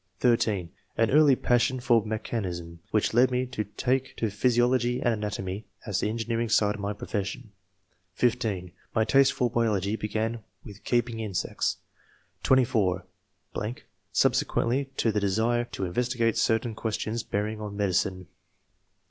(13) An early passion for mechanism, which led me to take to physiology and anatomy, as the engineering side of my profession. (15) My taste for biology began with keeping insects. (24) .... subsequently to the desire to in vestigate certain questions bearing on medicine.